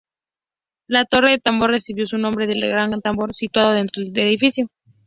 La Torre del Tambor recibió su nombre del gran tambor situado dentro del edificio.